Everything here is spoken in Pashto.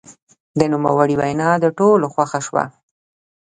د نوموړي وینا د ټولو خوښه شوه.